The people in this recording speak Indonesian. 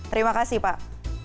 terima kasih pak